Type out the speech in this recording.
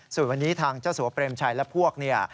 ส่วนวันนี้ทางเจ้าสัวเปรมชัยและพวกเนี่ย